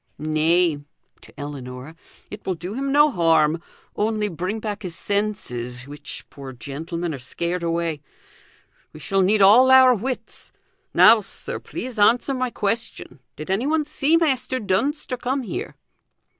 "Nay" to Ellinor "it will do him no harm; only bring back his senses, which, poor gentleman, are scared away. We shall need all our wits. Now, sir, please answer my question. Did anyone see Measter Dunster come here?"